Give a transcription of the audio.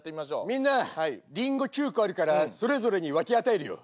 「みんなリンゴ９個あるからそれぞれに分け与えるよ」。